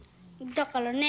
だからね。